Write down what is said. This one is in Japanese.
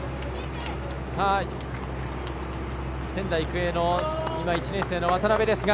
仙台育英の１年生の渡邉。